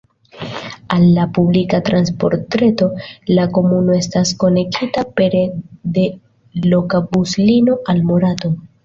Al la publika transportreto la komunumo estas konektita pere de loka buslinio al Morato.